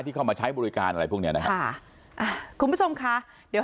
ที่เข้ามาใช้บริการอะไรพวกนี้นะคุณผู้ชมค่ะ